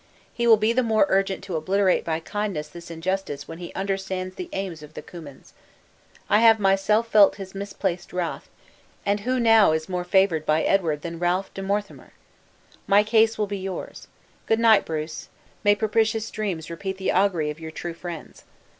He will be the more urgent to obliterate by kindness this injustice when he understands the aims of the Cummins. I have myself felt his misplaced wrath; and who now is more favored by Edward than Ralph de Monthermer? My case will be yours. Good night, Bruce. May propitious dreams repeat the augury of your true friends!"